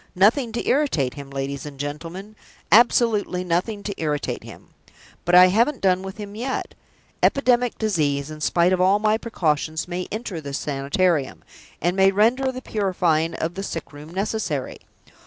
Nothing to irritate him, ladies and gentlemen absolutely nothing to irritate him! But I haven't done with him yet. Epidemic disease, in spite of all my precautions, may enter this Sanitarium, and may render the purifying of the sick room necessary.